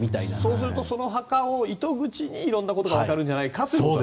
そうするとその墓を糸口に色んなことがわかるんじゃないかと。